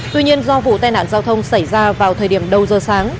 tuy nhiên do vụ tai nạn giao thông xảy ra vào thời điểm đầu giờ sáng